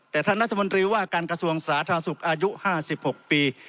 แต่ท่านรัฐมนตรีว่าการกระทรวงสาธารณสุขอายุ๕๖ปี